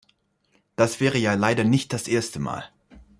Das wäre ja leider nicht das erste Mal.